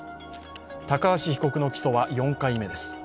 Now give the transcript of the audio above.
高橋被告の起訴は４回目です。